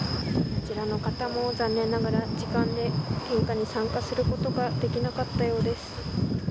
こちらの方も残念ながら時間で献花に参加することができなかったようです。